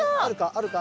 あるか？